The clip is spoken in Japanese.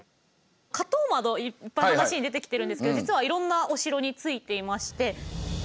花頭窓いっぱい話に出てきてるんですけど実はいろんなお城についていまして。